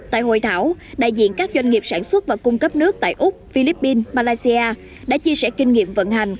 tại hội thảo đại diện các doanh nghiệp sản xuất và cung cấp nước tại úc philippines malaysia đã chia sẻ kinh nghiệm vận hành